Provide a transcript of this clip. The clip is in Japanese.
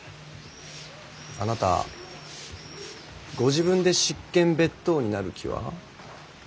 あなたご自分で執権別当になる気は？